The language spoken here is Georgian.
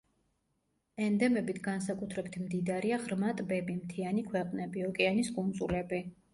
ენდემებით განსაკუთრებით მდიდარია ღრმა ტბები, მთიანი ქვეყნები, ოკეანის კუნძულები.